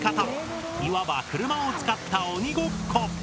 いわば車を使った鬼ごっこ！